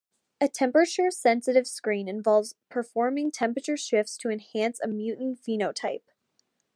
A temperature sensitive screen involves performing temperature shifts to enhance a mutant phenotype.